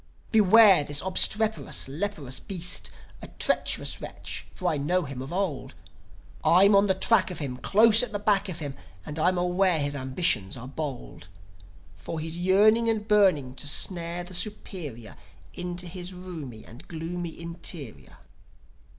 "Beware this obstreperous, leprous beast A treacherous wretch, for I know him of old. I'm on the track of him, Close at the back of him, And I'm aware his ambitions are bold; For he's yearning and burning to snare the superior Into his roomy and gloomy interior."